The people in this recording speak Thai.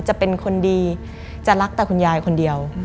จะเป็นคนดีจะรักแต่คุณยายคนเดียว